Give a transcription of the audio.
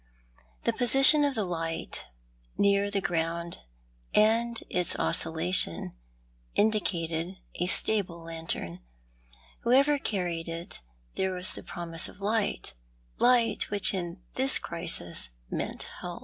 The position of the light— near the ground— and its oscilla tion, indicated a stable lantern. Whoever carried it, there was the promise of light — light, which in this crisis meant help.